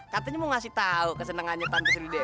katanya mau ngasih tau kesenengannya tante sri depri